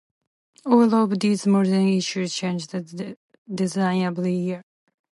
All of these modern issues changed design every year.